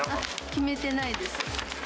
決めてないです。